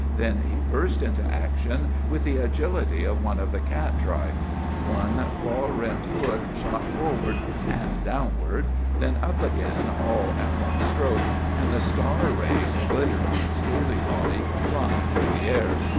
Then he burst into action with the agility of one of the cat tribe. One claw rimmed foot shot forward and downward, then up again all at one stroke, and the star rays glittered on a scaly body flying through the air.